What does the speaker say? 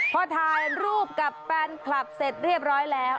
พอถ่ายรูปกับแฟนคลับเสร็จเรียบร้อยแล้ว